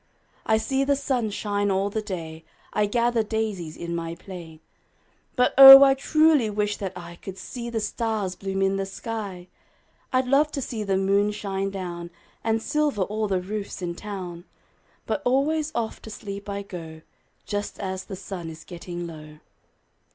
I see the sun shine all the day, I gather daisies in my play, But oh, I truly wish that I Could see the stars bloom in the sky! I'd love to see the moon shine down And silver all the roofs in town, But always off to sleep I go Just as the sun is getting low.